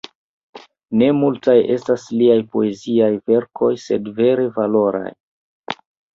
Ne multaj estas liaj poeziaj verkoj, sed vere valoraj.